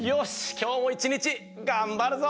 きょうも一日頑張るぞ。